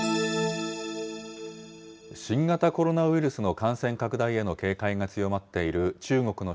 新型コロナウイルスの感染拡大への警戒が強まっている中国の